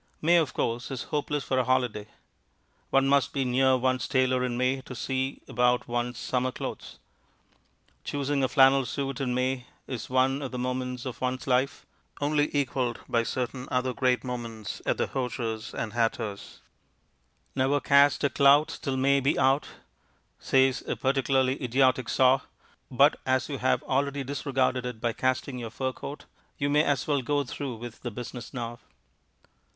May, of course, is hopeless for a holiday. One must be near one's tailor in May to see about one's summer clothes. Choosing a flannel suit in May is one of the moments of one's life only equalled by certain other great moments at the hosier's and hatter's. "Ne'er cast a clout till May be out" says a particularly idiotic saw, but as you have already disregarded it by casting your fur coat, you may as well go through with the business now.